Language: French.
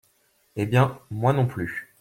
Eh bien, moi non plus !